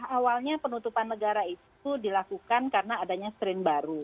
awalnya penutupan negara itu dilakukan karena adanya strain baru